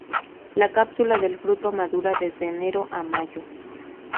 La cápsula del fruto madura desde enero a mayo.